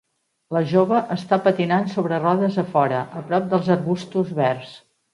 La jove està patinant sobre rodes a fora, a prop dels arbustos verds.